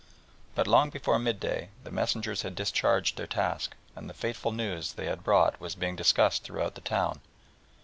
But long before mid day the messengers had discharged their task, and the fateful news they had brought was being discussed throughout the town.